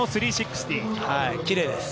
きれいです。